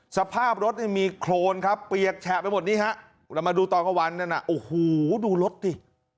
สภาพรถมีโครนครับเปียกแฉะไปหมดนี่ฮะเรามาดูตอนกลางวันนั้นน่ะโอ้โหดูรถดิ